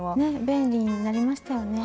便利になりましたよね。